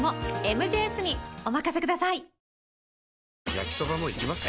焼きソバもいきます？